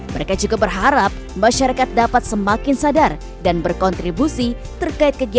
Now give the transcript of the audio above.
mereka juga berharap masyarakat dapat semakin sadar dan berkontribusi terkait kegiatan